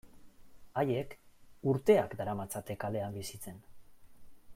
Haiek urteak daramatzate kalean bizitzen.